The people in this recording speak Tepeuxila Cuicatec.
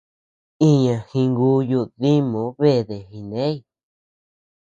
Iña jinguyu dimoʼö beede jiney.